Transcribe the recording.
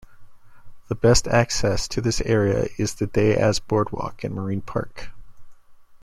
The best access to this area is the Day-as Boardwalk and Marine Park.